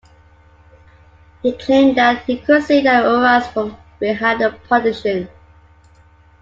He claimed that he could see their auras from behind the partition.